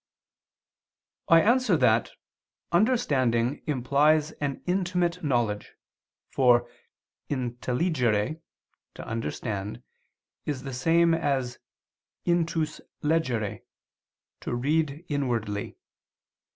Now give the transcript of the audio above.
I answer that, Understanding implies an intimate knowledge, for "intelligere" [to understand] is the same as "intus legere" [to read inwardly].